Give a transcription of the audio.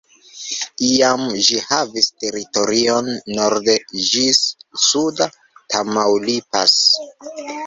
Iam ĝi havis teritorion norde ĝis suda Tamaulipas.